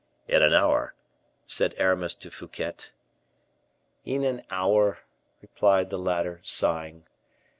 "In an hour " said Aramis to Fouquet. "In an hour!" replied the latter, sighing.